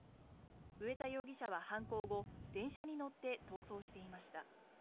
上田容疑者は犯行後電車に乗って逃走していました。